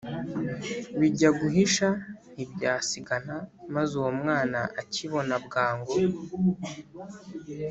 Bijya guhisha ntibyasigana Maze uwo mwana akibona bwangu,